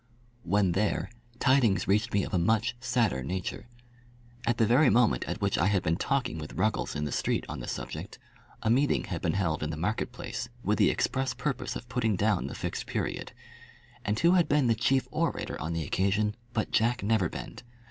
When there, tidings reached me of a much sadder nature. At the very moment at which I had been talking with Ruggles in the street on the subject, a meeting had been held in the market place with the express purpose of putting down the Fixed Period; and who had been the chief orator on the occasion but Jack Neverbend!